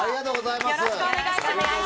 よろしくお願いします。